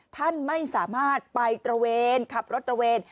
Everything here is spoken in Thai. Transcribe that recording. ท่านไม่สามารถไปตระเวนขับรถตระเวน